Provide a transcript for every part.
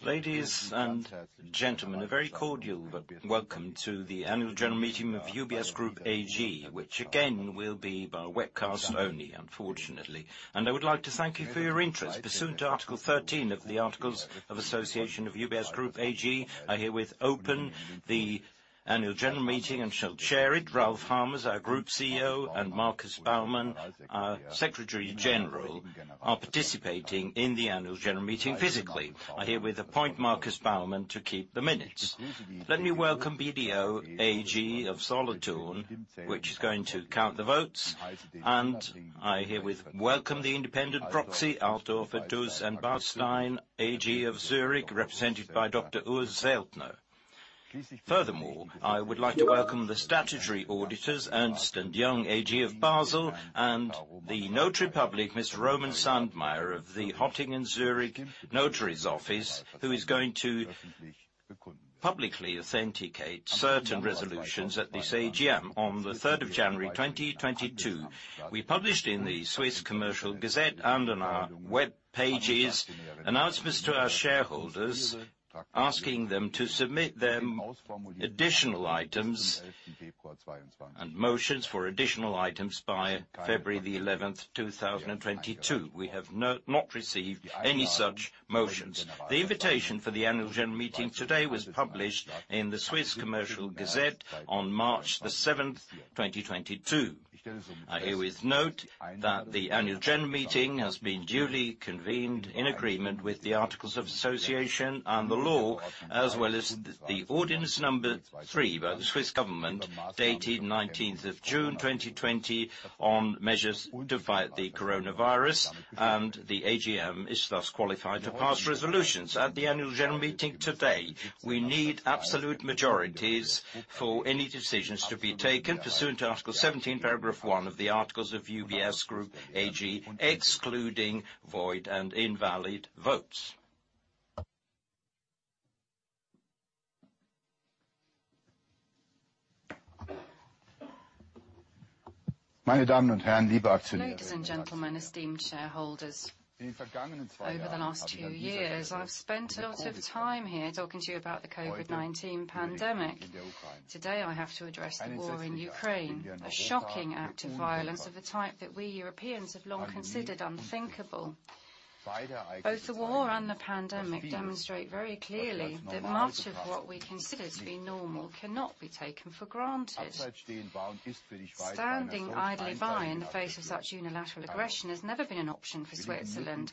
Ladies and gentlemen, a very cordial welcome to the annual general meeting of UBS Group AG, which again will be by webcast only, unfortunately. I would like to thank you for your interest. Pursuant to Article 13 of the articles of association of UBS Group AG, I herewith open the annual general meeting and shall chair it. Ralph Hamers, our Group CEO, and Markus Baumann, our Secretary General, are participating in the annual general meeting physically. I herewith appoint Markus Baumann to keep the minutes. Let me welcome BDO AG of Solothurn, which is going to count the votes, and I herewith welcome the independent proxy, ADB Altorfer Duss & Beilstein AG of Zurich, represented by Dr. Urs Zeltner. Furthermore, I would like to welcome the statutory auditors, Ernst & Young AG of Basel, and the notary public Mr. Roman Sandmeier of the Hottinger Zurich Notary's Office, who is going to publicly authenticate certain resolutions at this AGM. On the 3rd of January, 2022, we published in the Swiss Official Gazette of Commerce and on our web pages announcements to our shareholders, asking them to submit their additional items and motions for additional items by February the 11th, 2022. We have not received any such motions. The invitation for the annual general meeting today was published in the Swiss Official Gazette of Commerce on March the 7th, 2022. I herewith note that the annual general meeting has been duly convened in agreement with the articles of association and the law, as well as the ordinance number 3 by the Swiss government, dated 19th of June, 2020, on measures to fight the coronavirus, and the AGM is thus qualified to pass resolutions. At the annual general meeting today, we need absolute majorities for any decisions to be taken pursuant to Article 17, paragraph 1 of the articles of UBS Group AG, excluding void and invalid votes. Ladies and gentlemen, esteemed shareholders. Over the last two years, I've spent a lot of time here talking to you about the COVID-19 pandemic. Today, I have to address the war in Ukraine, a shocking act of violence of a type that we Europeans have long considered unthinkable. Both the war and the pandemic demonstrate very clearly that much of what we consider to be normal cannot be taken for granted. Standing idly by in the face of such unilateral aggression has never been an option for Switzerland,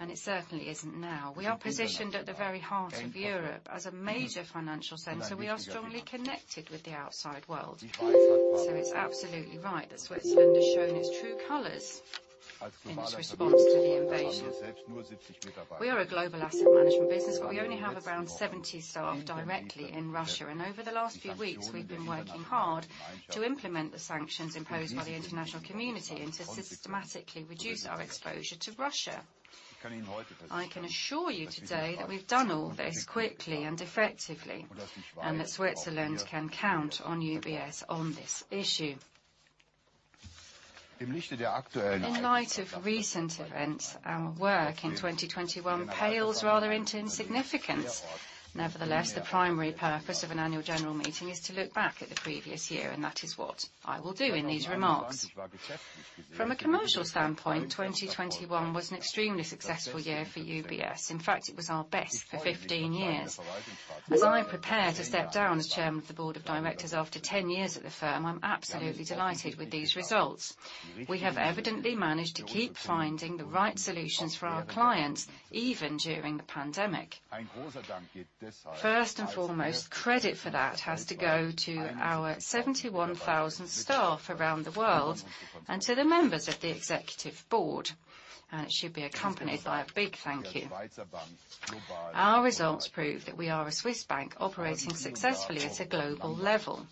and it certainly isn't now. We are positioned at the very heart of Europe. As a major financial center, we are strongly connected with the outside world, so it's absolutely right that Switzerland has shown its true colors in its response to the invasion. We are a global asset management business, but we only have around seventy staff directly in Russia. Over the last few weeks, we've been working hard to implement the sanctions imposed by the international community and to systematically reduce our exposure to Russia. I can assure you today that we've done all this quickly and effectively, and that Switzerland can count on UBS on this issue. In light of recent events, our work in 2021 pales rather into insignificance. Nevertheless, the primary purpose of an annual general meeting is to look back at the previous year, and that is what I will do in these remarks. From a commercial standpoint, 2021 was an extremely successful year for UBS. In fact, it was our best for 15 years. As I prepare to step down as Chairman of the Board of Directors after 10 years at the firm, I'm absolutely delighted with these results. We have evidently managed to keep finding the right solutions for our clients, even during the pandemic. First and foremost, credit for that has to go to our 71,000 staff around the world and to the members of the Executive Board, and it should be accompanied by a big thank you. Our results prove that we are a Swiss bank operating successfully at a global level.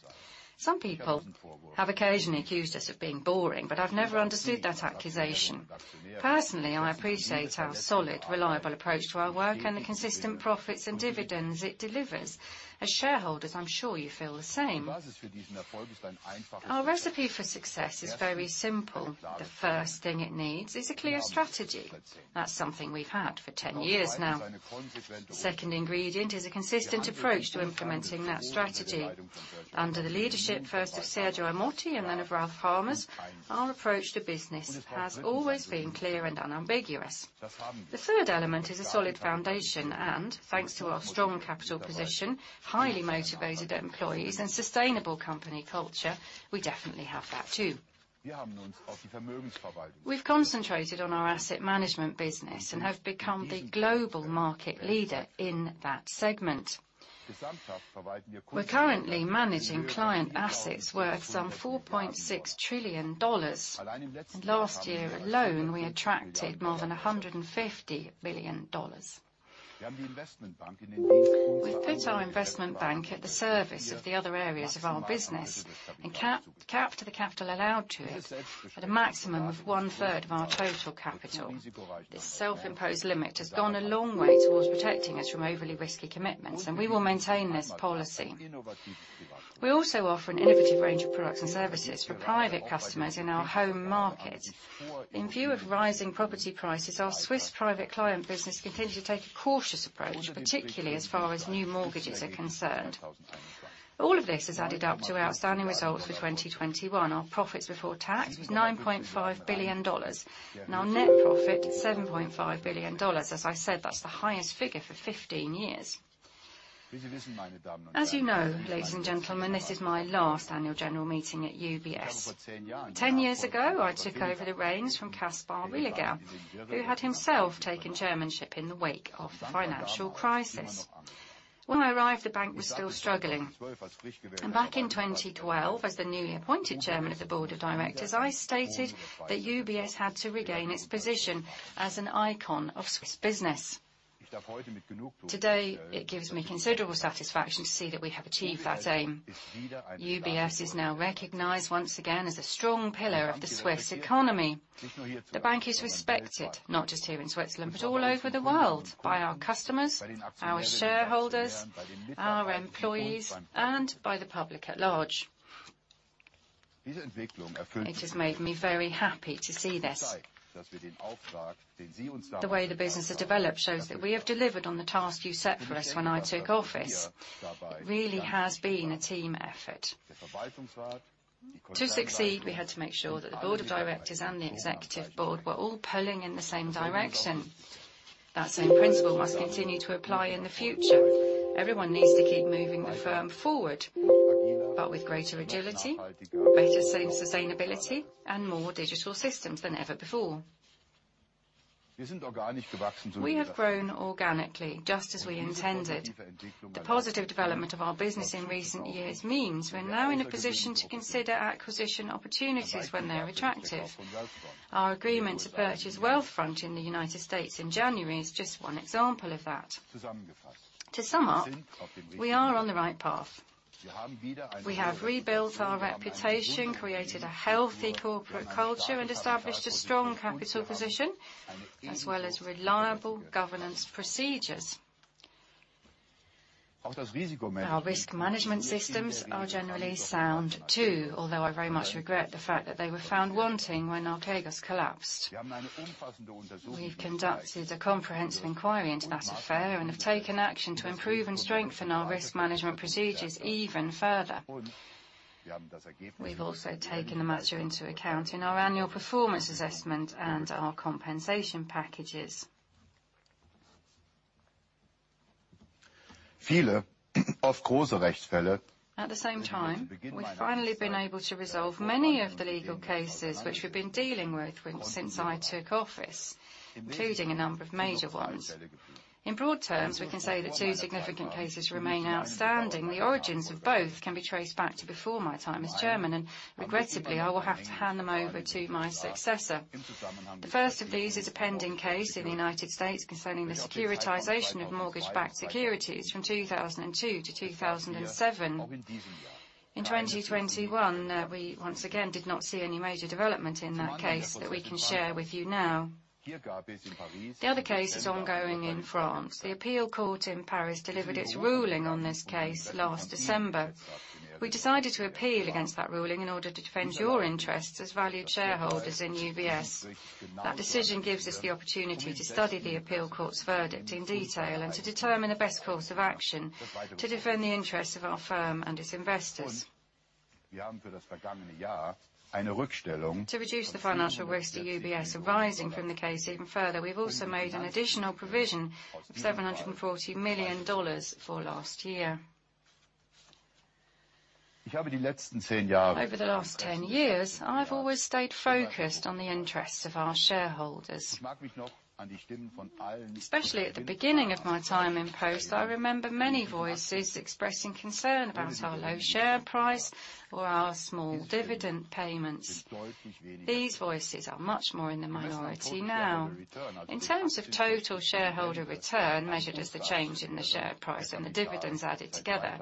Some people have occasionally accused us of being boring, but I've never understood that accusation. Personally, I appreciate our solid, reliable approach to our work and the consistent profits and dividends it delivers. As shareholders, I'm sure you feel the same. Our recipe for success is very simple. The first thing it needs is a clear strategy. That's something we've had for 10 years now. The second ingredient is a consistent approach to implementing that strategy. Under the leadership first of Sergio Ermotti and then of Ralph Hamers, our approach to business has always been clear and unambiguous. The third element is a solid foundation and, thanks to our strong capital position, highly motivated employees, and sustainable company culture, we definitely have that too. We've concentrated on our asset management business and have become the global market leader in that segment. We're currently managing client assets worth some $4.6 trillion. Last year alone, we attracted more than $150 billion. We've put our investment bank at the service of the other areas of our business and cap the capital allowed to it at a maximum of one-third of our total capital. This self-imposed limit has gone a long way towards protecting us from overly risky commitments, and we will maintain this policy. We also offer an innovative range of products and services for private customers in our home market. In view of rising property prices, our Swiss private client business continued to take a cautious approach, particularly as far as new mortgages are concerned. All of this has added up to outstanding results for 2021. Our profits before tax was $9.5 billion. Now net profit $7.5 billion. As I said, that's the highest figure for 15 years. As you know, ladies and gentlemen, this is my last annual general meeting at UBS. 10 years ago, I took over the reins from Kaspar Villiger, who had himself taken chairmanship in the wake of the financial crisis. When I arrived, the bank was still struggling. Back in 2012, as the newly appointed chairman of the board of directors, I stated that UBS had to regain its position as an icon of Swiss business. Today, it gives me considerable satisfaction to see that we have achieved that aim. UBS is now recognized once again as a strong pillar of the Swiss economy. The bank is respected, not just here in Switzerland, but all over the world by our customers, our shareholders, our employees, and by the public at large. It has made me very happy to see this. The way the business has developed shows that we have delivered on the task you set for us when I took office. It really has been a team effort. To succeed, we had to make sure that the board of directors and the executive board were all pulling in the same direction. That same principle must continue to apply in the future. Everyone needs to keep moving the firm forward, but with greater agility, better sustainability, and more digital systems than ever before. We have grown organically, just as we intended. The positive development of our business in recent years means we're now in a position to consider acquisition opportunities when they are attractive. Our agreement to purchase Wealthfront in the United States in January is just one example of that. To sum up, we are on the right path. We have rebuilt our reputation, created a healthy corporate culture, and established a strong capital position, as well as reliable governance procedures. Our risk management systems are generally sound, too, although I very much regret the fact that they were found wanting when Archegos collapsed. We've conducted a comprehensive inquiry into that affair and have taken action to improve and strengthen our risk management procedures even further. We've also taken the matter into account in our annual performance assessment and our compensation packages. At the same time, we've finally been able to resolve many of the legal cases which we've been dealing with since I took office, including a number of major ones. In broad terms, we can say that two significant cases remain outstanding. The origins of both can be traced back to before my time as chairman, and regrettably, I will have to hand them over to my successor. The first of these is a pending case in the United States concerning the securitization of mortgage-backed securities from 2002 to 2007. In 2021, we once again did not see any major development in that case that we can share with you now. The other case is ongoing in France. The appeal court in Paris delivered its ruling on this case last December. We decided to appeal against that ruling in order to defend your interests as valued shareholders in UBS. That decision gives us the opportunity to study the appeal court's verdict in detail and to determine the best course of action to defend the interests of our firm and its investors. To reduce the financial risk to UBS arising from the case even further, we've also made an additional provision, $740 million for last year. Over the last 10 years, I've always stayed focused on the interests of our shareholders. Especially at the beginning of my time in post, I remember many voices expressing concern about our low share price or our small dividend payments. These voices are much more in the minority now. In terms of total shareholder return, measured as the change in the share price and the dividends added together,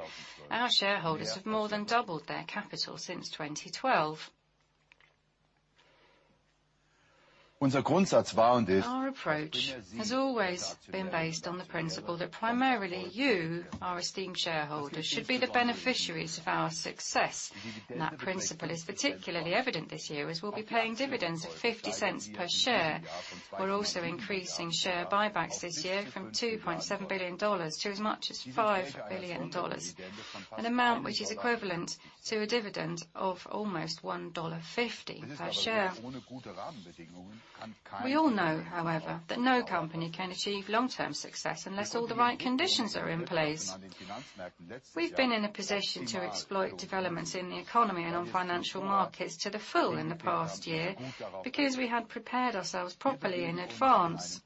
our shareholders have more than doubled their capital since 2012. Our approach has always been based on the principle that primarily you, our esteemed shareholders, should be the beneficiaries of our success. That principle is particularly evident this year as we'll be paying dividends of $0.50 per share. We're also increasing share buybacks this year from $2.7 billion to as much as $5 billion, an amount which is equivalent to a dividend of almost $1.50 per share. We all know, however, that no company can achieve long-term success unless all the right conditions are in place. We've been in a position to exploit developments in the economy and on financial markets to the full in the past year because we had prepared ourselves properly in advance.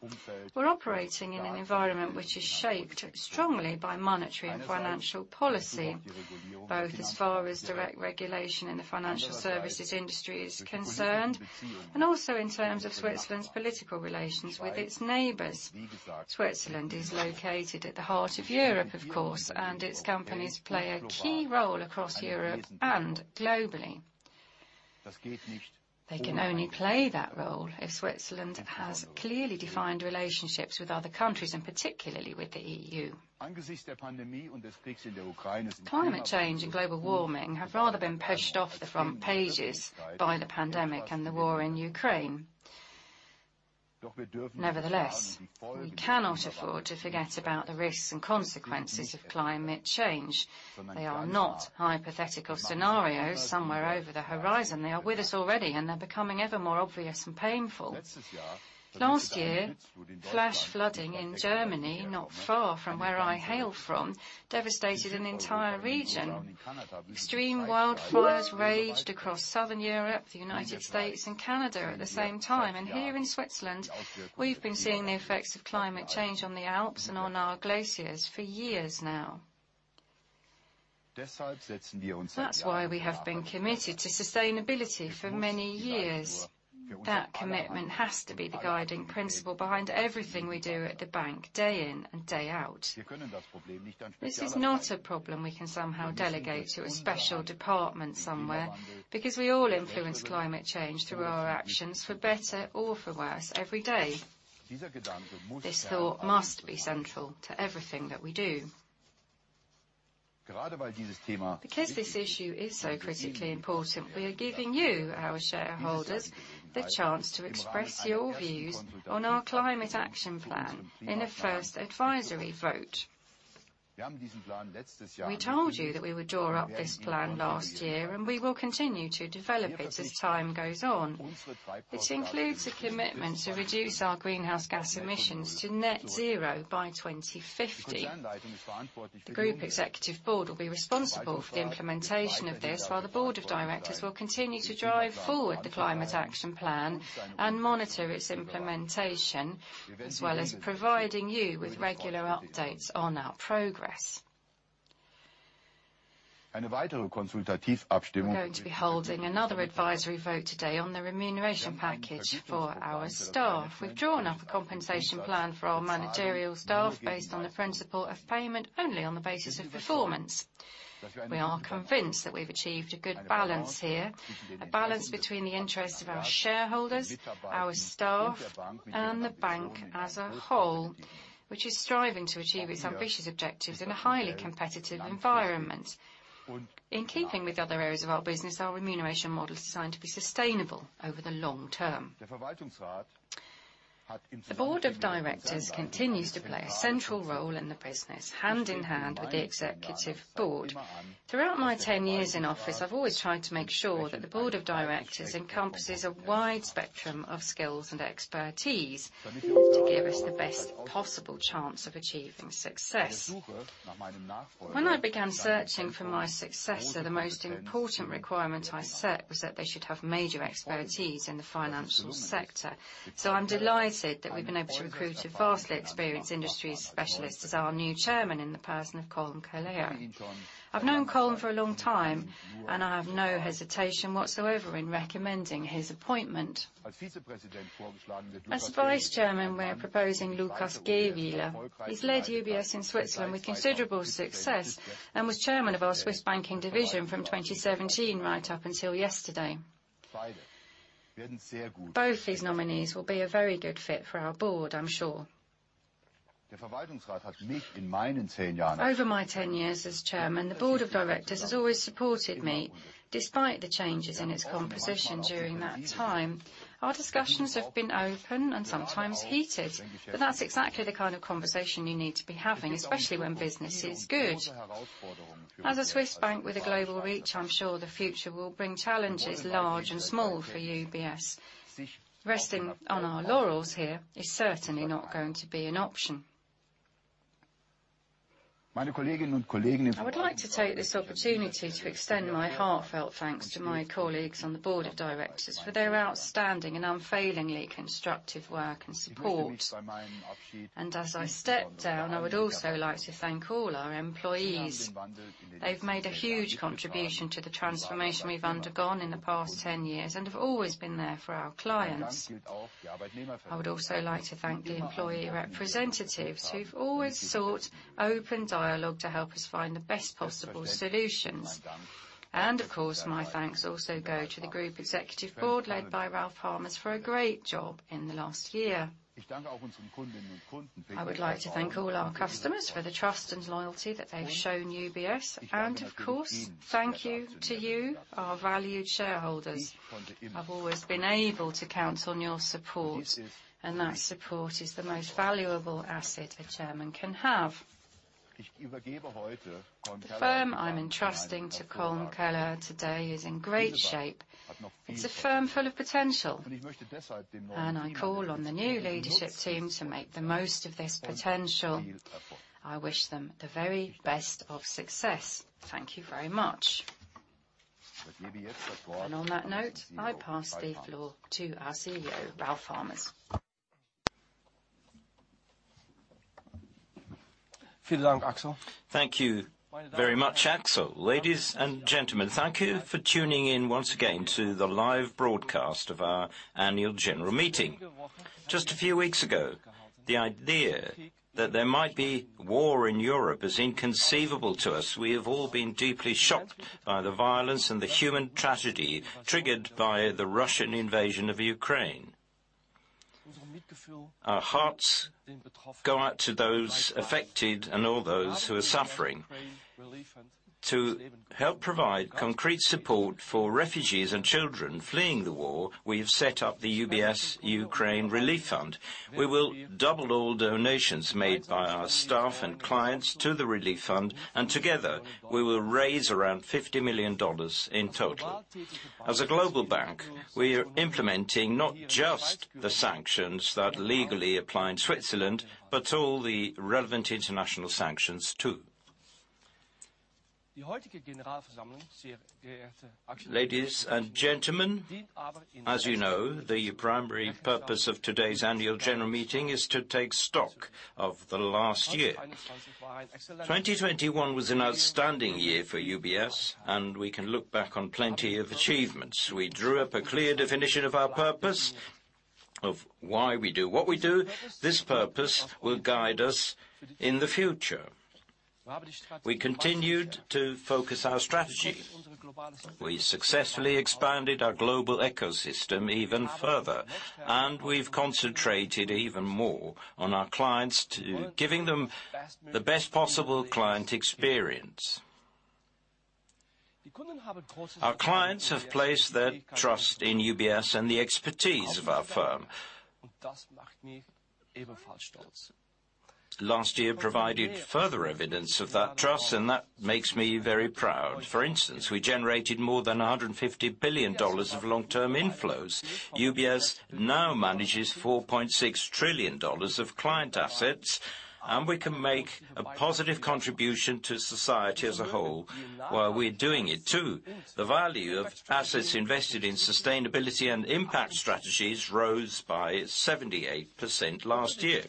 We're operating in an environment which is shaped strongly by monetary and financial policy, both as far as direct regulation in the financial services industry is concerned, and also in terms of Switzerland's political relations with its neighbors. Switzerland is located at the heart of Europe, of course, and its companies play a key role across Europe and globally. They can only play that role if Switzerland has clearly defined relationships with other countries, and particularly with the EU. Climate change and global warming have rather been pushed off the front pages by the pandemic and the war in Ukraine. Nevertheless, we cannot afford to forget about the risks and consequences of climate change. They are not hypothetical scenarios somewhere over the horizon. They are with us already, and they're becoming ever more obvious and painful. Last year, flash flooding in Germany, not far from where I hail from, devastated an entire region. Extreme wildfires raged across Southern Europe, the United States, and Canada at the same time. Here in Switzerland, we've been seeing the effects of climate change on the Alps and on our glaciers for years now. That's why we have been committed to sustainability for many years. That commitment has to be the guiding principle behind everything we do at the bank, day in and day out. This is not a problem we can somehow delegate to a special department somewhere, because we all influence climate change through our actions, for better or for worse, every day. This thought must be central to everything that we do. Because this issue is so critically important, we are giving you, our shareholders, the chance to express your views on our climate action plan in a first advisory vote. We told you that we would draw up this plan last year, and we will continue to develop it as time goes on. It includes a commitment to reduce our greenhouse gas emissions to net zero by 2050. The Group Executive Board will be responsible for the implementation of this, while the Board of Directors will continue to drive forward the climate action plan and monitor its implementation, as well as providing you with regular updates on our progress. We're going to be holding another advisory vote today on the remuneration package for our staff. We've drawn up a compensation plan for our managerial staff based on the principle of payment only on the basis of performance. We are convinced that we've achieved a good balance here, a balance between the interests of our shareholders, our staff, and the bank as a whole, which is striving to achieve its ambitious objectives in a highly competitive environment. In keeping with the other areas of our business, our remuneration model is designed to be sustainable over the long term. The Board of Directors continues to play a central role in the business, hand in hand with the Executive Board. Throughout my ten years in office, I've always tried to make sure that the Board of Directors encompasses a wide spectrum of skills and expertise to give us the best possible chance of achieving success. When I began searching for my successor, the most important requirement I set was that they should have major expertise in the financial sector. I'm delighted that we've been able to recruit a vastly experienced industry specialist as our new Chairman in the person of Colm Kelleher. I've known Colm for a long time, and I have no hesitation whatsoever in recommending his appointment. As Vice Chairman, we're proposing Lukas Gähwiler. He's led UBS in Switzerland with considerable success and was Chairman of our Swiss banking division from 2017 right up until yesterday. Both these nominees will be a very good fit for our Board, I'm sure. Over my 10 years as chairman, the board of directors has always supported me, despite the changes in its composition during that time. Our discussions have been open and sometimes heated, but that's exactly the kind of conversation you need to be having, especially when business is good. As a Swiss bank with a global reach, I'm sure the future will bring challenges large and small for UBS. Resting on our laurels here is certainly not going to be an option. I would like to take this opportunity to extend my heartfelt thanks to my colleagues on the board of directors for their outstanding and unfailingly constructive work and support. As I step down, I would also like to thank all our employees. They've made a huge contribution to the transformation we've undergone in the past 10 years and have always been there for our clients. I would also like to thank the employee representatives, who've always sought open dialogue to help us find the best possible solutions. Of course, my thanks also go to the Group Executive Board, led by Ralph Hamers, for a great job in the last year. I would like to thank all our customers for the trust and loyalty that they've shown UBS. Of course, thank you to you, our valued shareholders. I've always been able to count on your support, and that support is the most valuable asset a chairman can have. The firm I'm entrusting to Colm Kelleher today is in great shape. It's a firm full of potential, and I call on the new leadership team to make the most of this potential. I wish them the very best of success. Thank you very much. On that note, I pass the floor to our CEO, Ralph Hamers. Thank you very much, Axel. Ladies and gentlemen, thank you for tuning in once again to the live broadcast of our annual general meeting. Just a few weeks ago, the idea that there might be war in Europe is inconceivable to us. We have all been deeply shocked by the violence and the human tragedy triggered by the Russian invasion of Ukraine. Our hearts go out to those affected and all those who are suffering. To help provide concrete support for refugees and children fleeing the war, we have set up the UBS Ukraine Relief Fund. We will double all donations made by our staff and clients to the relief fund, and together we will raise around $50 million in total. As a global bank, we are implementing not just the sanctions that legally apply in Switzerland, but all the relevant international sanctions too. Ladies and gentlemen, as you know, the primary purpose of today's annual general meeting is to take stock of the last year. 2021 was an outstanding year for UBS, and we can look back on plenty of achievements. We drew up a clear definition of our purpose, of why we do what we do. This purpose will guide us in the future. We continued to focus our strategy. We successfully expanded our global ecosystem even further, and we've concentrated even more on our clients to giving them the best possible client experience. Our clients have placed their trust in UBS and the expertise of our firm. Last year provided further evidence of that trust, and that makes me very proud. For instance, we generated more than $150 billion of long-term inflows. UBS now manages $4.6 trillion of client assets, and we can make a positive contribution to society as a whole while we're doing it, too. The value of assets invested in sustainability and impact strategies rose by 78% last year.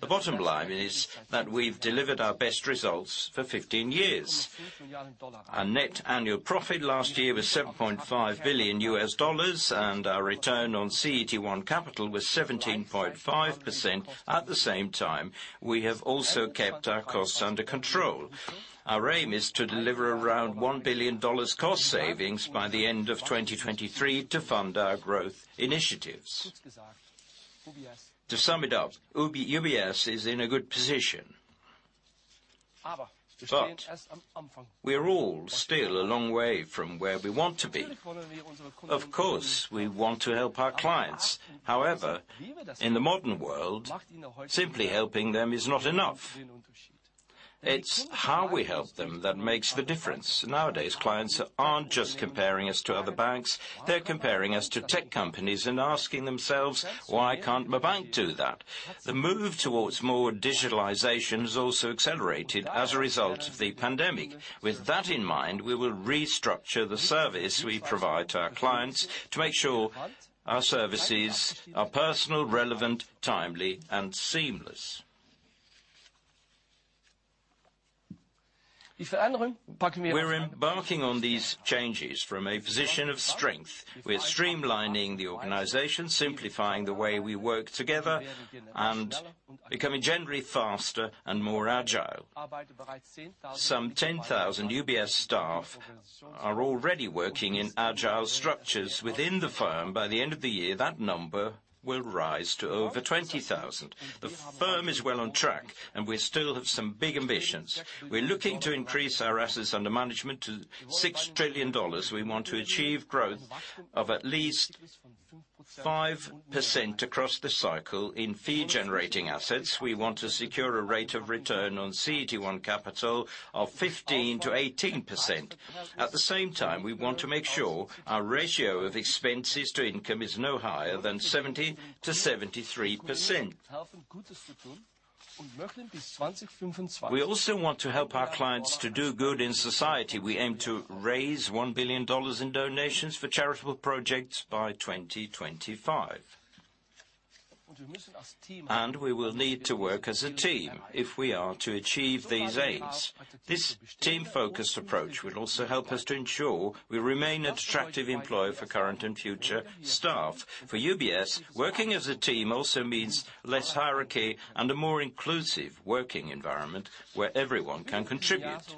The bottom line is that we've delivered our best results for 15 years. Our net annual profit last year was $7.5 billion, and our return on CET1 capital was 17.5%. At the same time, we have also kept our costs under control. Our aim is to deliver around $1 billion cost savings by the end of 2023 to fund our growth initiatives. To sum it up, UBS is in a good position. We are all still a long way from where we want to be. Of course, we want to help our clients. However, in the modern world, simply helping them is not enough. It's how we help them that makes the difference. Nowadays, clients aren't just comparing us to other banks. They're comparing us to tech companies and asking themselves, "Why can't my bank do that?" The move towards more digitalization has also accelerated as a result of the pandemic. With that in mind, we will restructure the service we provide to our clients to make sure our services are personal, relevant, timely, and seamless. We're embarking on these changes from a position of strength. We're streamlining the organization, simplifying the way we work together, and becoming generally faster and more agile. Some 10,000 UBS staff are already working in agile structures within the firm. By the end of the year, that number will rise to over 20,000. The firm is well on track, and we still have some big ambitions. We're looking to increase our assets under management to $6 trillion. We want to achieve growth of at least 5% across the cycle in fee-generating assets. We want to secure a rate of return on CET1 capital of 15%-18%. At the same time, we want to make sure our ratio of expenses to income is no higher than 70%-73%. We also want to help our clients to do good in society. We aim to raise $1 billion in donations for charitable projects by 2025. We will need to work as a team if we are to achieve these aims. This team-focused approach will also help us to ensure we remain an attractive employer for current and future staff. For UBS, working as a team also means less hierarchy and a more inclusive working environment where everyone can contribute.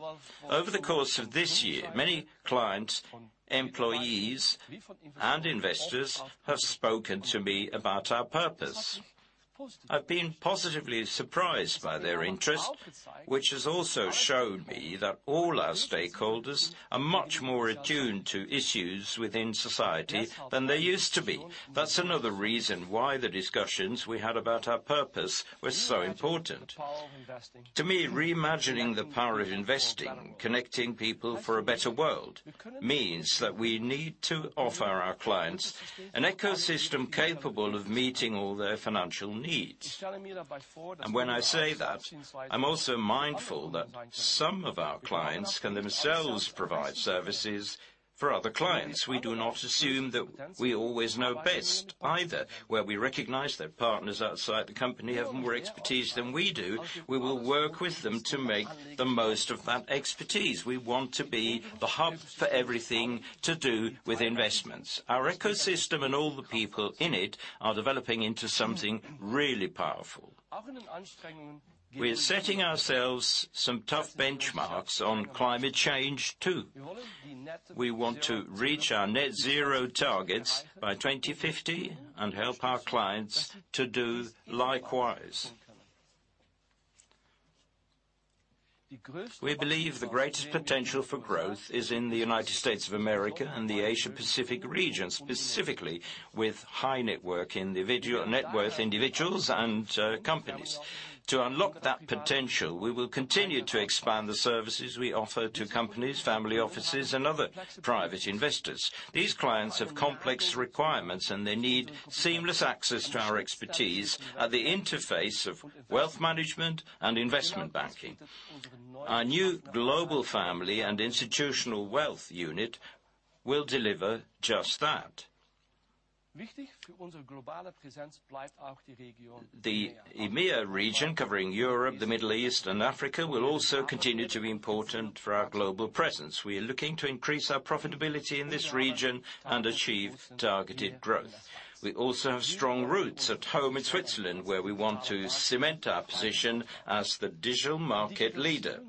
Over the course of this year, many clients, employees, and investors have spoken to me about our purpose. I've been positively surprised by their interest, which has also shown me that all our stakeholders are much more attuned to issues within society than they used to be. That's another reason why the discussions we had about our purpose were so important. To me, reimagining the power of investing, connecting people for a better world, means that we need to offer our clients an ecosystem capable of meeting all their financial needs. When I say that, I'm also mindful that some of our clients can themselves provide services for other clients. We do not assume that we always know best either. Where we recognize that partners outside the company have more expertise than we do, we will work with them to make the most of that expertise. We want to be the hub for everything to do with investments. Our ecosystem and all the people in it are developing into something really powerful. We're setting ourselves some tough benchmarks on climate change, too. We want to reach our net zero targets by 2050 and help our clients to do likewise. We believe the greatest potential for growth is in the United States of America and the Asia Pacific region, specifically with high net worth individuals and companies. To unlock that potential, we will continue to expand the services we offer to companies, family offices, and other private investors. These clients have complex requirements, and they need seamless access to our expertise at the interface of wealth management and investment banking. Our new Global Family and Institutional Wealth unit will deliver just that. The EMEIA region, covering Europe, the Middle East, and Africa, will also continue to be important for our global presence. We are looking to increase our profitability in this region and achieve targeted growth. We also have strong roots at home in Switzerland, where we want to cement our position as the digital market leader.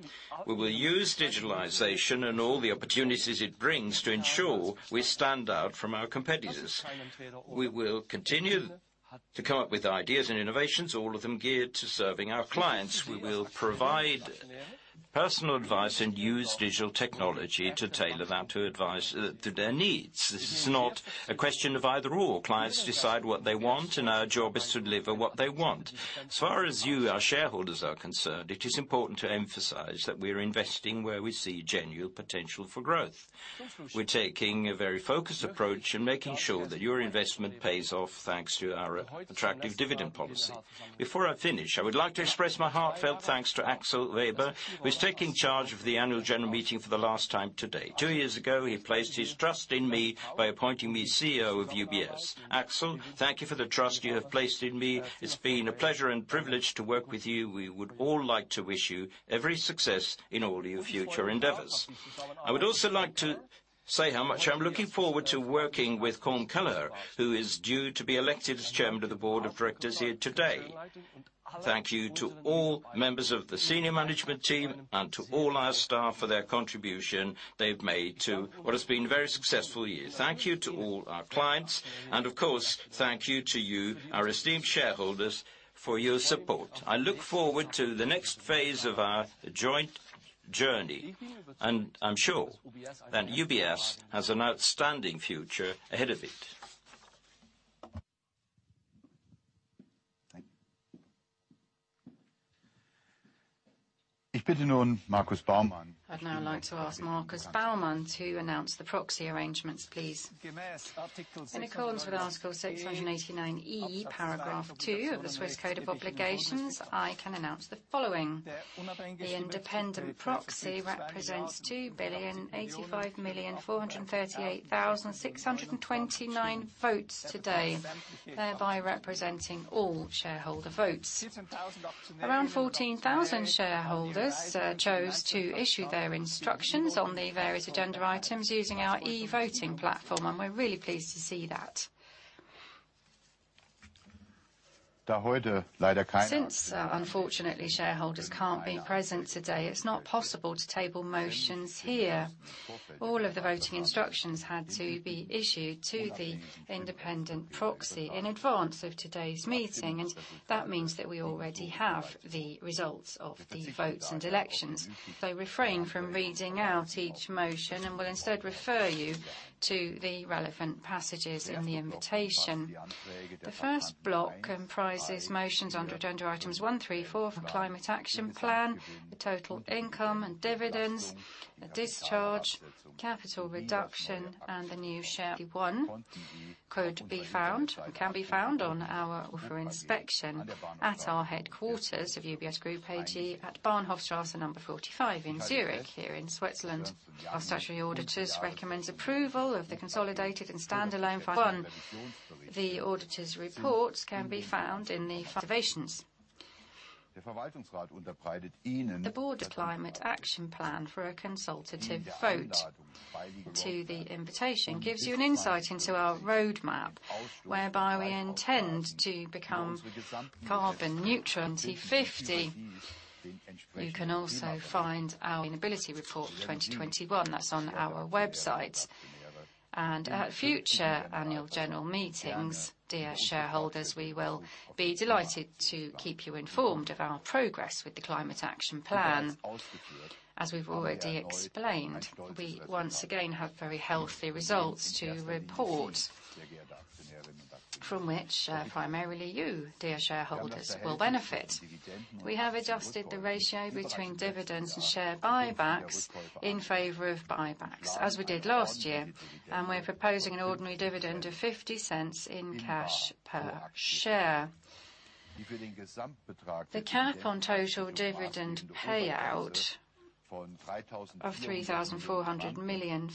We will use digitalization and all the opportunities it brings to ensure we stand out from our competitors. We will continue to come up with ideas and innovations, all of them geared to serving our clients. We will provide personal advice and use digital technology to tailor that advice to their needs. This is not a question of either/or. Clients decide what they want, and our job is to deliver what they want. As far as you, our shareholders, are concerned, it is important to emphasize that we are investing where we see genuine potential for growth. We're taking a very focused approach and making sure that your investment pays off thanks to our attractive dividend policy. Before I finish, I would like to express my heartfelt thanks to Axel Weber, who is taking charge of the annual general meeting for the last time today. Two years ago, he placed his trust in me by appointing me CEO of UBS. Axel, thank you for the trust you have placed in me. It's been a pleasure and privilege to work with you. We would all like to wish you every success in all your future endeavors. I would also like to say how much I'm looking forward to working with Colm Kelleher, who is due to be elected as Chairman of the Board of Directors here today. Thank you to all members of the senior management team and to all our staff for their contribution they've made to what has been a very successful year. Thank you to all our clients and of course, thank you to you, our esteemed shareholders, for your support. I look forward to the next phase of our joint journey, and I'm sure that UBS has an outstanding future ahead of it. Thank you. I'd now like to ask Markus Baumann to announce the proxy arrangements, please. In accordance with Article 689 E, paragraph 2 of the Swiss Code of Obligations, I can announce the following: The independent proxy represents 2,085,438,629 votes today, thereby representing all shareholder votes. Around 14,000 shareholders chose to issue their instructions on the various agenda items using our e-voting platform, and we're really pleased to see that. Since, unfortunately, shareholders can't be present today, it's not possible to table motions here. All of the voting instructions had to be issued to the independent proxy in advance of today's meeting, and that means that we already have the results of the votes and elections. We refrain from reading out each motion and will instead refer you to the relevant passages in the invitation. The first block comprises motions under agenda items 1, 3, 4 for Climate Action Plan, the total income and dividends, the discharge, capital reduction, and the new shares can be found on offer for inspection at the headquarters of UBS Group AG at Bahnhofstrasse 45 in Zurich, here in Switzerland. Our statutory auditors recommends approval of the consolidated and standalone financials. The auditor's reports can be found in the invitation. The board's Climate Action Plan for a consultative vote in the invitation gives you an insight into our roadmap, whereby we intend to become carbon neutral in 2050. You can also find our sustainability report 2021. That's on our website. At future annual general meetings, dear shareholders, we will be delighted to keep you informed of our progress with the Climate Action Plan. As we've already explained, we once again have very healthy results to report, from which primarily you, dear shareholders, will benefit. We have adjusted the ratio between dividends and share buybacks in favor of buybacks, as we did last year. We're proposing an ordinary dividend of 0.50 in cash per share. The cap on total dividend payout of CHF 3,400 million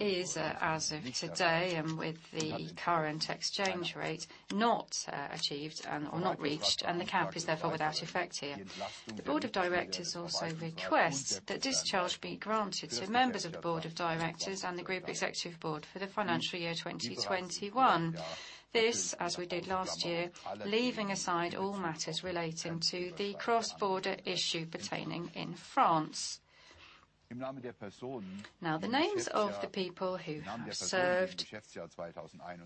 is as of today, and with the current exchange rate, not achieved or not reached, and the cap is therefore without effect here. The board of directors also requests that discharge be granted to members of the board of directors and the group executive board for the financial year 2021. This, as we did last year, leaving aside all matters relating to the cross-border issue pertaining in France. Now the names of the people who have served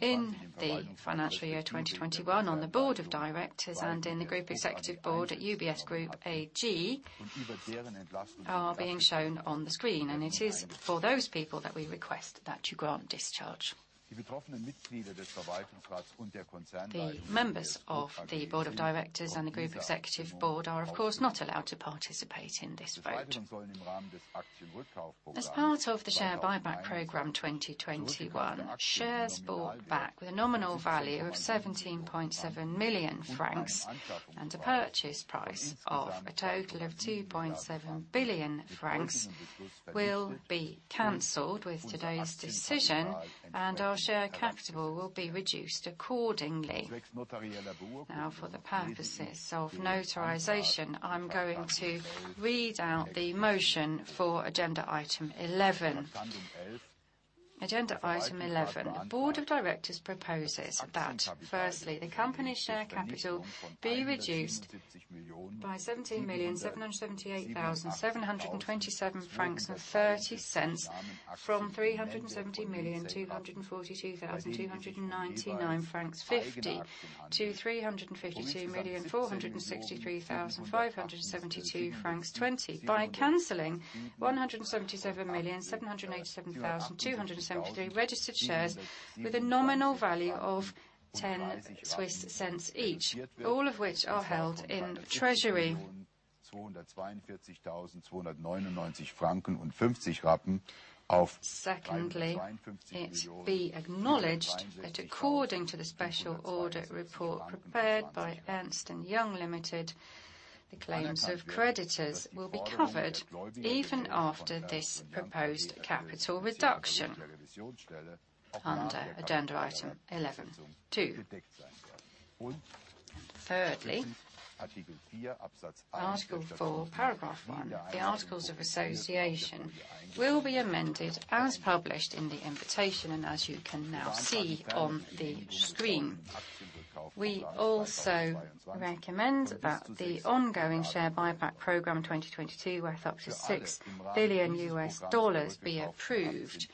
in the financial year 2021 on the Board of Directors and in the Group Executive Board at UBS Group AG are being shown on the screen. It is for those people that we request that you grant discharge. The members of the Board of Directors and the Group Executive Board are, of course, not allowed to participate in this vote. As part of the share buyback program 2021, shares bought back with a nominal value of 17.7 million francs and a purchase price of a total of 2.7 billion francs will be canceled with today's decision, and our share capital will be reduced accordingly. Now, for the purposes of notarization, I'm going to read out the motion for agenda item 11. Agenda item 11, the Board of Directors proposes that, firstly, the company share capital be reduced by 17,778,727.30 francs from 370,242,299.50 francs to 352,463,572.20 francs by canceling 177,787,273 registered shares with a nominal value of 0.10 CHF each, all of which are held in treasury. Secondly, it be acknowledged that according to the special audit report prepared by Ernst & Young Ltd, the claims of creditors will be covered even after this proposed capital reduction under agenda item eleven two. Thirdly, Article 4, Paragraph 1, the Articles of Association will be amended as published in the invitation and as you can now see on the screen. We also recommend that the ongoing share buyback program in 2022 worth up to $6 billion be approved.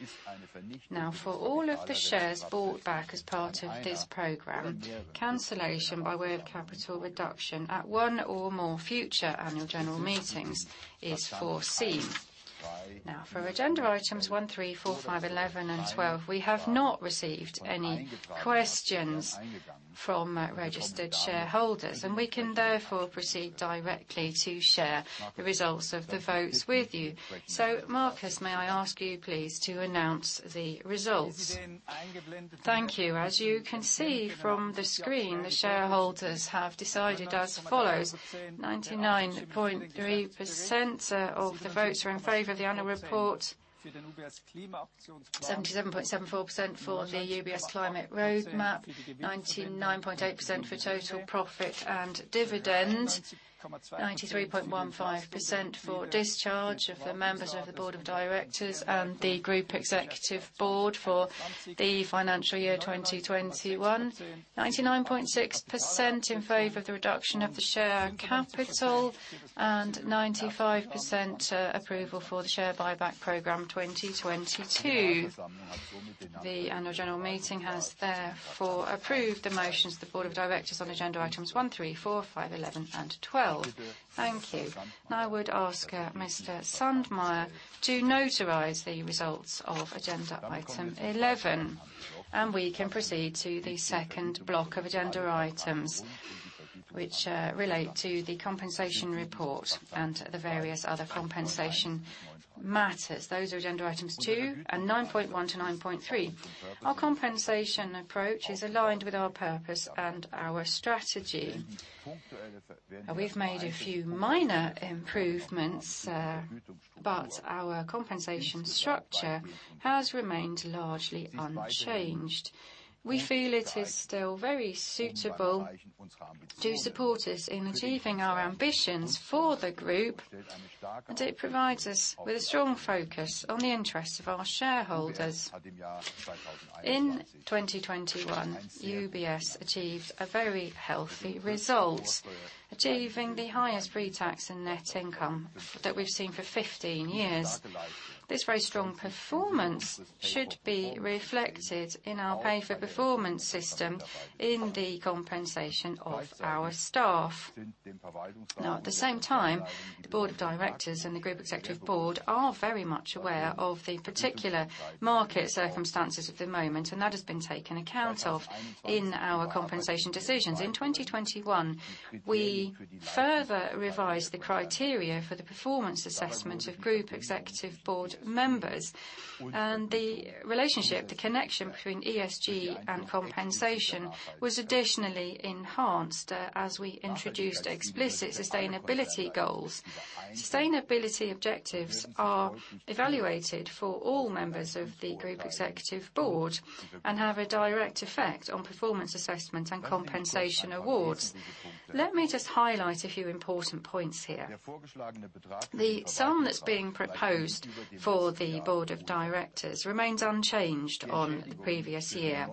For all of the shares bought back as part of this program, cancellation by way of capital reduction at one or more future annual general meetings is foreseen. For agenda items 1, 3, 4, 5, 11, and 12, we have not received any questions from registered shareholders, and we can therefore proceed directly to share the results of the votes with you. Markus, may I ask you please to announce the results? Thank you. As you can see from the screen, the shareholders have decided as follows. 99.3% of the votes are in favor of the annual report, 77.74% for the UBS Climate Roadmap, 99.8% for total profit and dividend, 93.15% for discharge of the members of the Board of Directors and the Group Executive Board for the financial year 2021, 99.6% in favor of the reduction of the share capital, and 95% approval for the share buyback program 2022. The annual general meeting has therefore approved the motions of the Board of Directors on agenda items one, three, four, five, eleven, and twelve. Thank you. Now I would ask Mr. Sandmeier to notarize the results of agenda item eleven, and we can proceed to the second block of agenda items which relate to the compensation report and the various other compensation matters. Those are agenda items 2 and 9.1 to 9.3. Our compensation approach is aligned with our purpose and our strategy. We've made a few minor improvements, but our compensation structure has remained largely unchanged. We feel it is still very suitable to support us in achieving our ambitions for the group, and it provides us with a strong focus on the interests of our shareholders. In 2021, UBS achieved a very healthy result, achieving the highest pre-tax and net income that we've seen for 15 years. This very strong performance should be reflected in our pay for performance system in the compensation of our staff. Now, at the same time, the Board of Directors and the Group Executive Board are very much aware of the particular market circumstances at the moment, and that has been taken account of in our compensation decisions. In 2021, we further revised the criteria for the performance assessment of Group Executive Board members. The relationship, the connection between ESG and compensation was additionally enhanced, as we introduced explicit sustainability goals. Sustainability objectives are evaluated for all members of the Group Executive Board and have a direct effect on performance assessment and compensation awards. Let me just highlight a few important points here. The sum that's being proposed for the Board of Directors remains unchanged on the previous year,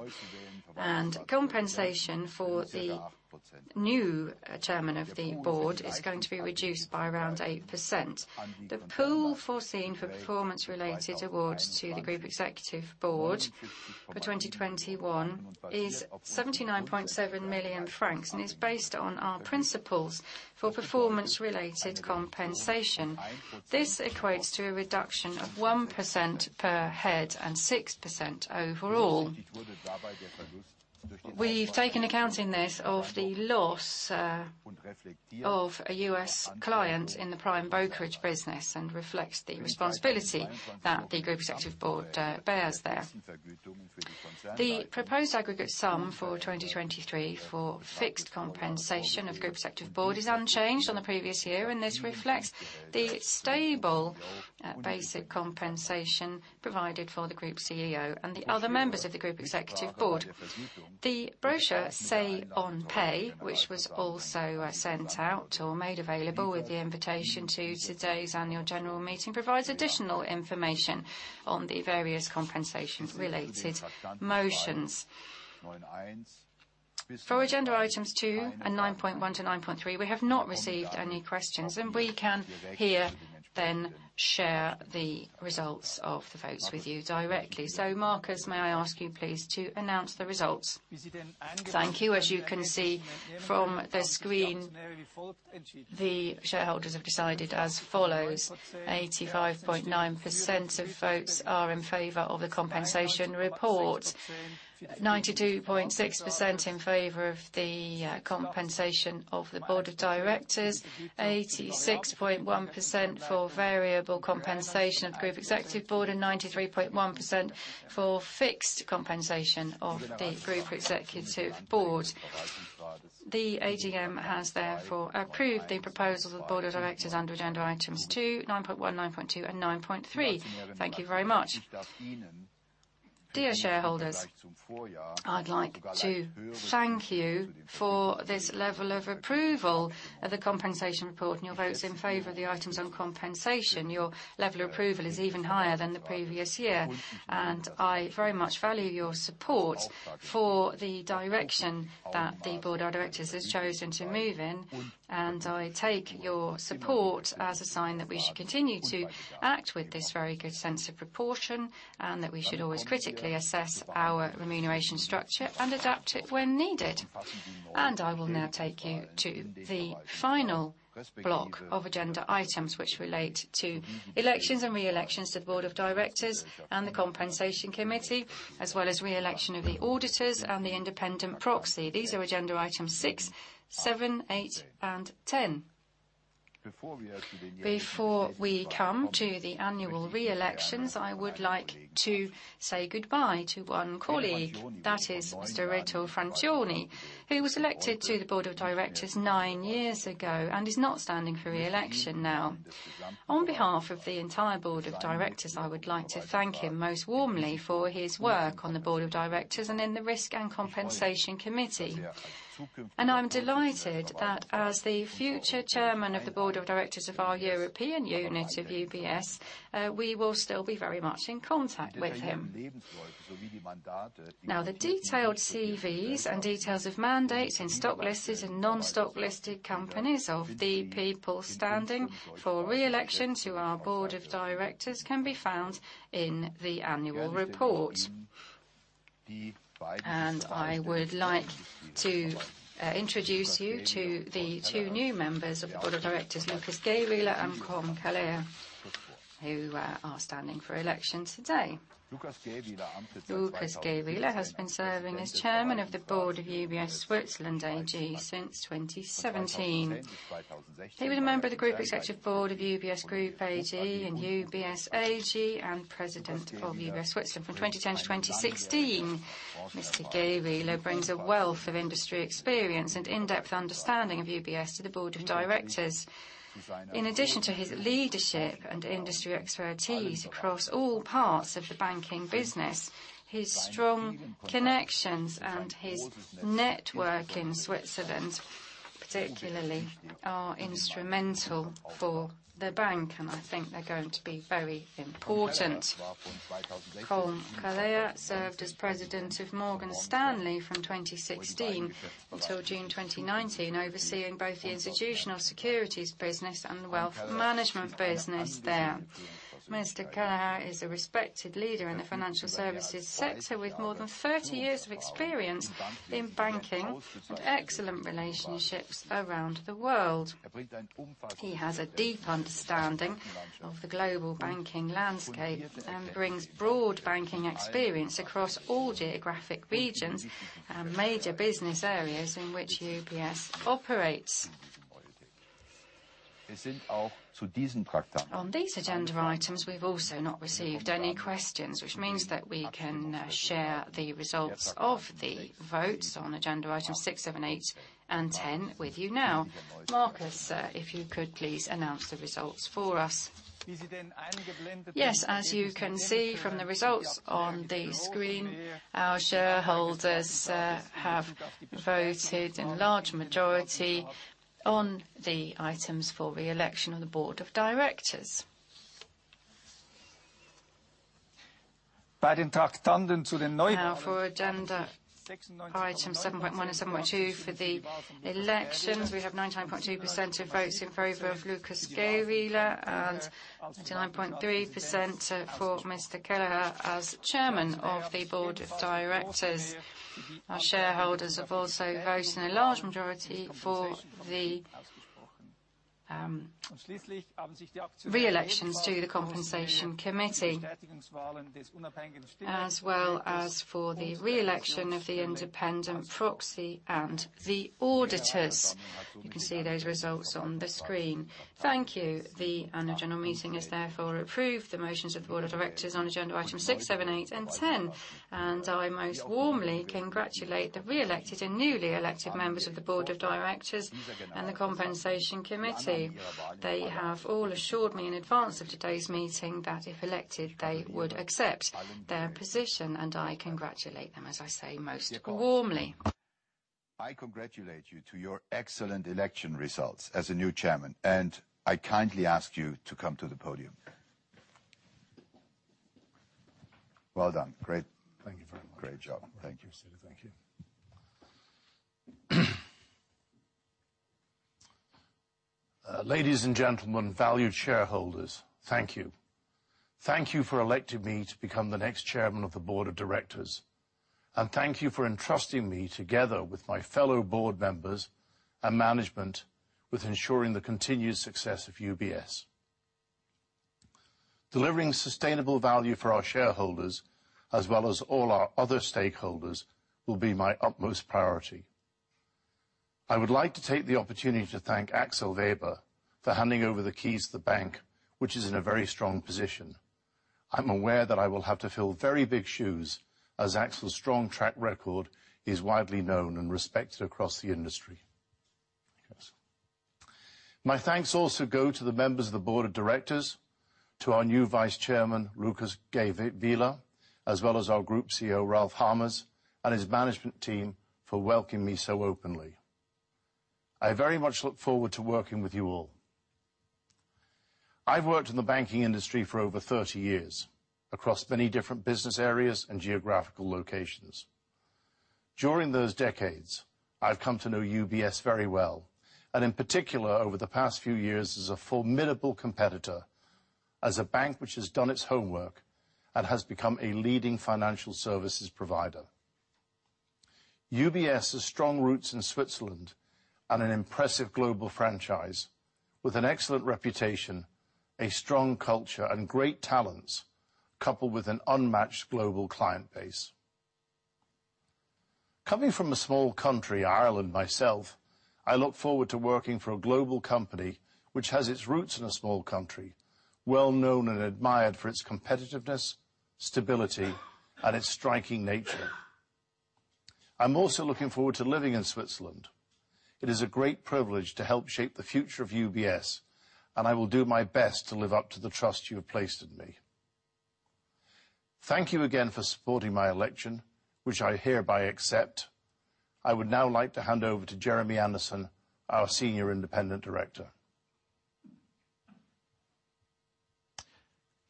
and compensation for the new Chairman of the Board is going to be reduced by around 8%. The pool foreseen for performance-related awards to the Group Executive Board for 2021 is 79.7 million francs and is based on our principles for performance-related compensation. This equates to a reduction of 1% per head and 6% overall. We've taken account in this of the loss of a U.S. client in the prime brokerage business and reflects the responsibility that the Group Executive Board bears there. The proposed aggregate sum for 2023 for fixed compensation of Group Executive Board is unchanged on the previous year, and this reflects the stable basic compensation provided for the Group CEO and the other members of the Group Executive Board.The brochure Say on Pay, which was also sent out or made available with the invitation to today's annual general meeting, provides additional information on the various compensations related motions. For agenda items 2 and 9.1 to 9.3, we have not received any questions, and we can here then share the results of the votes with you directly. Markus, may I ask you please to announce the results? Thank you. As you can see from the screen, the shareholders have decided as follows: 85.9% of votes are in favor of the Compensation Report, 92.6% in favor of the compensation of the Board of Directors, 86.1% for variable compensation of Group Executive Board, and 93.1% for fixed compensation of the Group Executive Board. The AGM has therefore approved the proposal of the Board of Directors under agenda items 2, 9.1, 9.2, and 9.3. Thank you very much. Dear shareholders, I'd like to thank you for this level of approval of the Compensation Report and your votes in favor of the items on compensation. Your level approval is even higher than the previous year, and I very much value your support for the direction that the Board of Directors has chosen to move in. I take your support as a sign that we should continue to act with this very good sense of proportion and that we should always critically assess our remuneration structure and adapt it when needed. I will now take you to the final block of agenda items which relate to elections and re-elections to the Board of Directors and the Compensation Committee, as well as re-election of the auditors and the independent proxy. These are agenda item six, seven, eight, and 10. Before we come to the annual re-elections, I would like to say goodbye to one colleague. That is Mr. Reto Francioni, who was elected to the Board of Directors nine years ago and is not standing for re-election now. On behalf of the entire Board of Directors, I would like to thank him most warmly for his work on the Board of Directors and in the Risk and Compensation Committee. I'm delighted that as the future chairman of the Board of Directors of our European unit of UBS, we will still be very much in contact with him. Now, the detailed CVs and details of mandates in stock-listed and non-stock-listed companies of the people standing for re-election to our Board of Directors can be found in the annual report. I would like to introduce you to the two new members of the Board of Directors, Lukas Gähwiler and Colm Kelleher, who are standing for election today. Lukas Gähwiler has been serving as chairman of the board of UBS Switzerland AG since 2017. He was a member of the Group Executive Board of UBS Group AG and UBS AG and president of UBS Switzerland from 2010 to 2016. Mr. Gähwiler brings a wealth of industry experience and in-depth understanding of UBS to the board of directors. In addition to his leadership and industry expertise across all parts of the banking business, his strong connections and his network in Switzerland, particularly, are instrumental for the bank, and I think they're going to be very important. Colm Kelleher served as president of Morgan Stanley from 2016 until June 2019, overseeing both the institutional securities business and wealth management business there. Mr. Kelleher is a respected leader in the financial services sector with more than 30 years of experience in banking and excellent relationships around the world. He has a deep understanding of the global banking landscape and brings broad banking experience across all geographic regions and major business areas in which UBS operates. On these agenda items, we've also not received any questions, which means that we can share the results of the votes on agenda item 6, 7, 8, and 10 with you now. Markus, if you could please announce the results for us. Yes, as you can see from the results on the screen, our shareholders have voted in large majority on the items for re-election on the Board of Directors. Now for agenda item 7.1 and 7.2 for the elections, we have 99.2% of votes in favor of Lukas Gähwiler and 99.3% for Mr. Kelleher as Chairman of the Board of Directors. Our shareholders have also voted in a large majority for the reelections to the Compensation Committee as well as for the reelection of the independent proxy and the auditors. You can see those results on the screen. Thank you. The Annual General Meeting is therefore approved. The motions of the Board of Directors on agenda item 6, 7, 8, and 10, and I most warmly congratulate the reelected and newly elected members of the Board of Directors and the Compensation Committee. They have all assured me in advance of today's meeting that if elected, they would accept their position, and I congratulate them, as I say, most warmly. I congratulate you to your excellent election results as a new chairman, and I kindly ask you to come to the podium. Well done. Great. Thank you very much. Great job. Thank you. Thank you, sir. Thank you. Ladies and gentlemen, valued shareholders, thank you. Thank you for electing me to become the next chairman of the board of directors, and thank you for entrusting me together with my fellow board members and management with ensuring the continued success of UBS. Delivering sustainable value for our shareholders, as well as all our other stakeholders, will be my utmost priority. I would like to take the opportunity to thank Axel Weber for handing over the keys to the bank, which is in a very strong position. I'm aware that I will have to fill very big shoes, as Axel's strong track record is widely known and respected across the industry. Yes. My thanks also go to the members of the Board of Directors, to our new Vice Chairman, Lukas Gähwiler, as well as our Group CEO, Ralph Hamers, and his management team for welcoming me so openly. I very much look forward to working with you all. I've worked in the banking industry for over 30 years across many different business areas and geographical locations. During those decades, I've come to know UBS very well, and in particular, over the past few years as a formidable competitor, as a bank which has done its homework and has become a leading financial services provider. UBS has strong roots in Switzerland and an impressive global franchise with an excellent reputation, a strong culture, and great talents, coupled with an unmatched global client base. Coming from a small country, Ireland, myself, I look forward to working for a global company which has its roots in a small country, well known and admired for its competitiveness, stability, and its striking nature. I'm also looking forward to living in Switzerland. It is a great privilege to help shape the future of UBS, and I will do my best to live up to the trust you have placed in me. Thank you again for supporting my election, which I hereby accept. I would now like to hand over to Jeremy Anderson, our Senior Independent Director.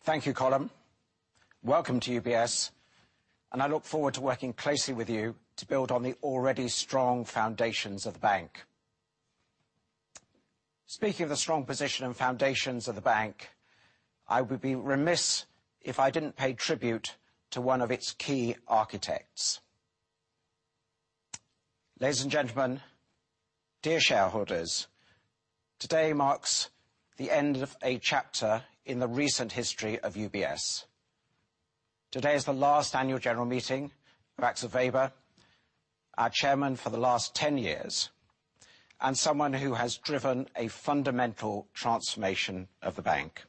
Thank you, Colm. Welcome to UBS, and I look forward to working closely with you to build on the already strong foundations of the bank. Speaking of the strong position and foundations of the bank, I would be remiss if I didn't pay tribute to one of its key architects. Ladies and gentlemen, dear shareholders, today marks the end of a chapter in the recent history of UBS. Today is the last annual general meeting for Axel Weber, our Chairman for the last 10 years, and someone who has driven a fundamental transformation of the bank.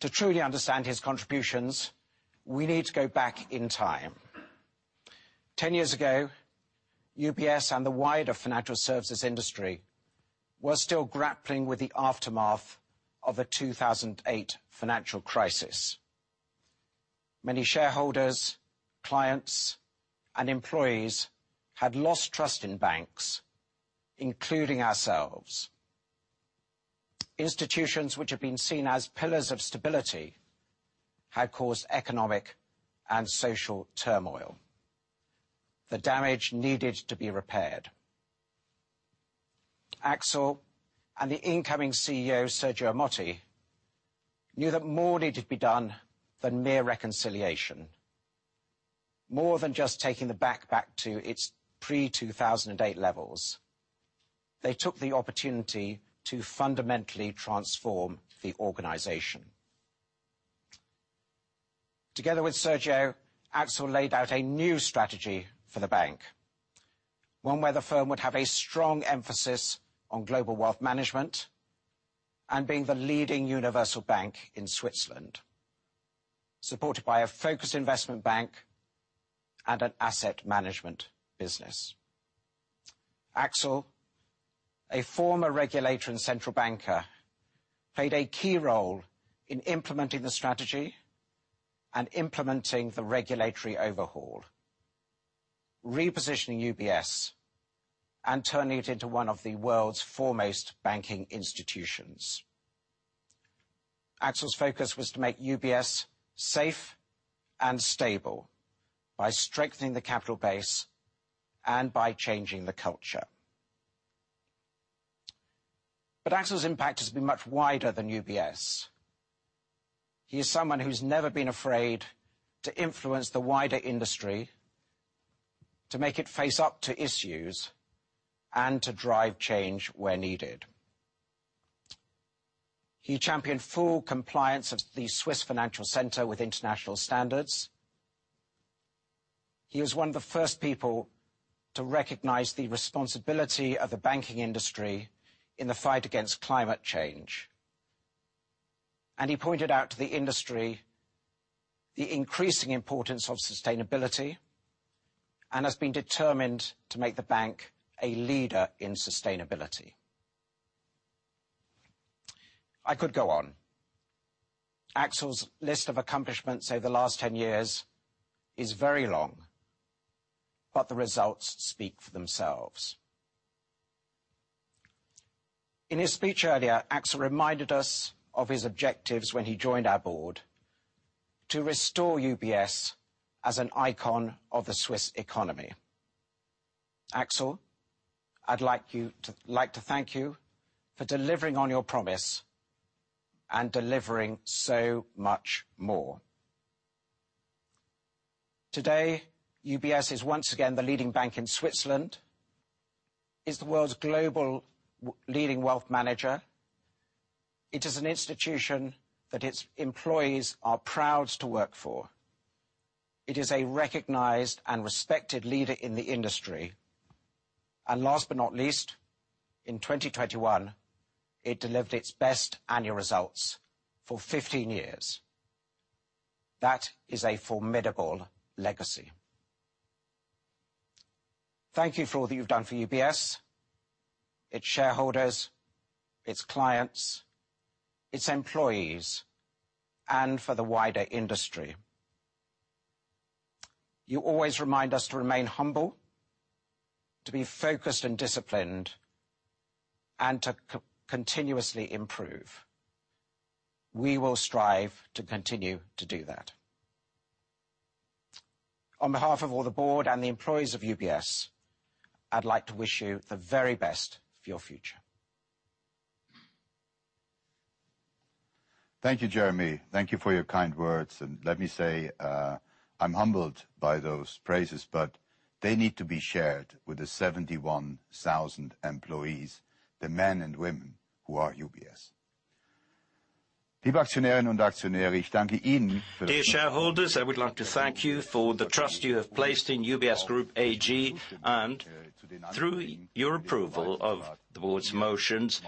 To truly understand his contributions, we need to go back in time. 10 years ago, UBS and the wider financial services industry were still grappling with the aftermath of the 2008 financial crisis. Many shareholders, clients, and employees had lost trust in banks, including ourselves. Institutions which had been seen as pillars of stability had caused economic and social turmoil. The damage needed to be repaired. Axel and the incoming CEO, Sergio Ermotti, knew that more needed to be done than mere reconciliation, more than just taking the bank back to its pre-2008 levels. They took the opportunity to fundamentally transform the organization. Together with Sergio, Axel laid out a new strategy for the bank. One where the firm would have a strong emphasis on global wealth management and being the leading universal bank in Switzerland, supported by a focused investment bank and an asset management business. Axel, a former regulator and central banker, played a key role in implementing the strategy and implementing the regulatory overhaul, repositioning UBS and turning it into one of the world's foremost banking institutions. Axel's focus was to make UBS safe and stable by strengthening the capital base and by changing the culture. Axel's impact has been much wider than UBS. He is someone who's never been afraid to influence the wider industry, to make it face up to issues, and to drive change where needed. He championed full compliance of the Swiss Financial Centre with international standards. He was one of the first people to recognize the responsibility of the banking industry in the fight against climate change. He pointed out to the industry the increasing importance of sustainability, and has been determined to make the bank a leader in sustainability. I could go on. Axel's list of accomplishments over the last 10 years is very long, but the results speak for themselves. In his speech earlier, Axel reminded us of his objectives when he joined our board to restore UBS as an icon of the Swiss economy. Axel, I'd like to thank you for delivering on your promise and delivering so much more. Today, UBS is once again the leading bank in Switzerland. It's the world's leading wealth manager. It is an institution that its employees are proud to work for. It is a recognized and respected leader in the industry. Last but not least, in 2021, it delivered its best annual results for 15 years. That is a formidable legacy. Thank you for all that you've done for UBS, its shareholders, its clients, its employees, and for the wider industry. You always remind us to remain humble, to be focused and disciplined, and to continuously improve. We will strive to continue to do that. On behalf of all the board and the employees of UBS, I'd like to wish you the very best for your future. Thank you, Jeremy. Thank you for your kind words. Let me say, I'm humbled by those praises, but they need to be shared with the 71,000 employees, the men and women who are UBS. Dear shareholders, I would like to thank you for the trust you have placed in UBS Group AG, and through your approval of the Board's motions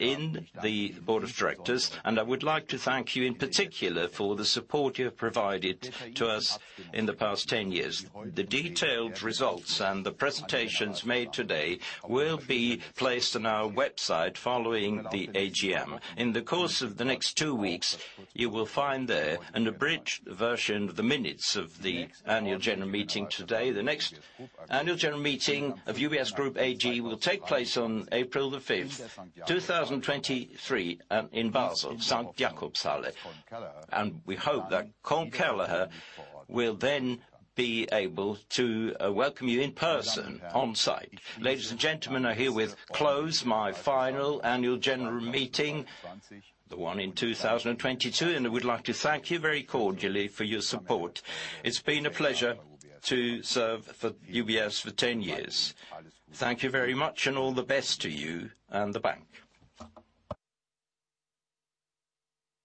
in the Board of Directors, and I would like to thank you in particular for the support you have provided to us in the past 10 years. The detailed results and the presentations made today will be placed on our website following the AGM. In the course of the next 2 weeks, you will find there an abridged version of the minutes of the annual general meeting today. The next annual general meeting of UBS Group AG will take place on April 5, 2023, in Basel, St. Jakobshalle. We hope that Colm Kelleher will then be able to welcome you in person on-site. Ladies and gentlemen, I herewith close my final annual general meeting, the one in 2022, and I would like to thank you very cordially for your support. It's been a pleasure to serve for UBS for ten years. Thank you very much, and all the best to you and the bank.